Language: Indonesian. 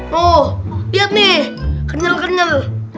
wow lihat nih kenyal kenyal